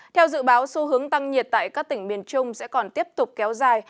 theo dự báo xu hướng tăng nhiệt tại các tỉnh miền trung sẽ còn tiếp tục kéo dài